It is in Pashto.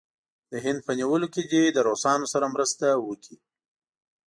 د هند په نیولو کې دې له روسانو سره مرسته وکړي.